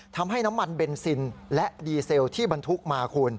ทำให้น้ำมันเบนซินและดีเซลที่บรรทุกมาคุณ